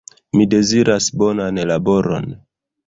Mi deziras bonan laboron